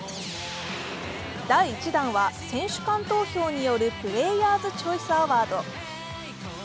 第１弾は選手間投票によるプレーヤーズ・チョイス・アワーズ。